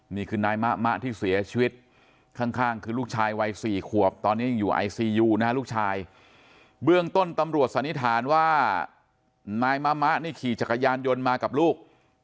นี่คือนายมะมะที่เสียชีวิตข้างคือลูกชายวัย๔ขวบตอนนี้ยังอยู่ไอซียูนะฮะลูกชายเบื้องต้นตำรวจสันนิษฐานว่านายมะมะนี่ขี่จักรยานยนต์มากับลูก